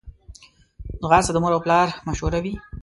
ځغاسته د مور او پلار مشوره وي